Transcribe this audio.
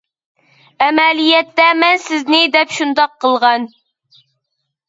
ئەمەلىيەتتە، مەن سىزنى دەپ شۇنداق قىلغان.